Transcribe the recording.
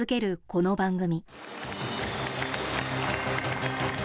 この番組。